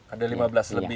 ada lima belas lebih